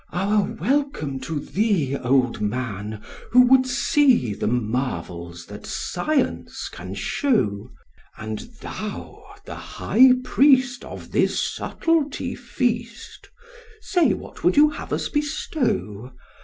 Our welcome to thee, old man, who would see the marvels that science can show: And thou, the high priest of this subtlety feast, say what would you have us bestow?